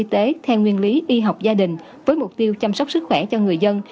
theo nguyên lý y học gia đình với mục tiêu chăm sóc sức khỏe cho người dân